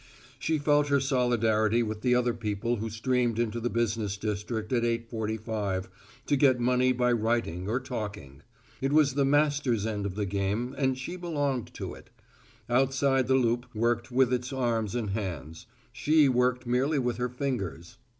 She felt her solidarity with the other people who streamed into the business district at eight forty five, to get money by writing or talking. It was the master's end of the game and she belonged to it. Outside the loop worked with its arms and hands she worked merely with her fingers.